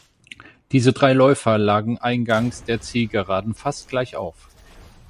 Diese drei Läufer lagen eingangs der Zielgeraden fast gleichauf.